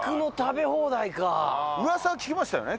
うわさは聞きましたよね？